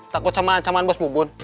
takut sama ancaman bos bu bun